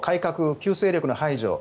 旧勢力の排除